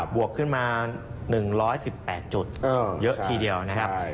วกขึ้นมา๑๑๘จุดเยอะทีเดียวนะครับ